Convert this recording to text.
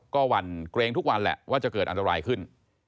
ก็หวั่นเกรงทุกวันแหละว่าจะเกิดอันตรายขึ้น